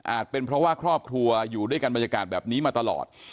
เป็นเพราะว่าครอบครัวอยู่ด้วยกันบรรยากาศแบบนี้มาตลอด